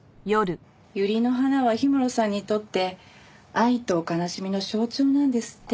ユリの花は氷室さんにとって愛と悲しみの象徴なんですって。